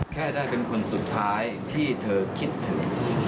แค่ได้เป็นคนสุดท้ายที่เธอคิดถึง